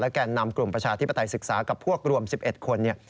แก่นนำกลุ่มประชาธิปไตยศึกษากับพวกรวม๑๑คน